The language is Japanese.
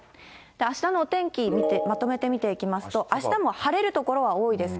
あしたのお天気まとめて見ていきますと、あしたも晴れる所は多いです。